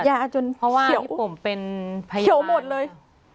เพราะว่าพี่ผมเป็นไพร้มาก